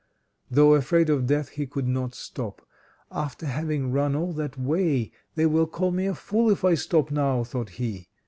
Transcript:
Though afraid of death, he could not stop. "After having run all that way they will call me a fool if I stop now," thought he.